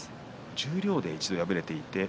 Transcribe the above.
十両で一度、敗れています。